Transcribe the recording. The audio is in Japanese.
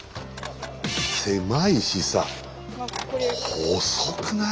狭いしさ細くない？